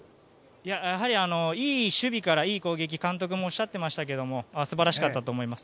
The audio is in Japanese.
やはりいい守備からいい攻撃と監督もおっしゃってましたけど素晴らしかったと思います。